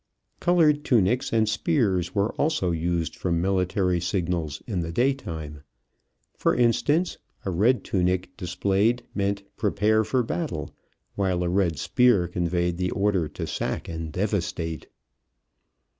Colored tunics and spears were also used for military signals in the daytime. For instance, a red tunic displayed meant prepare for battle; while a red spear conveyed the order to sack and devastate.